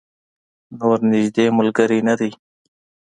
نور نږدې ملګری نه دی.